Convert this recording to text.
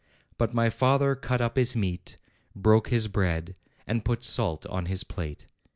But my father cut up his meat, broke his bread, and put salt on his plate.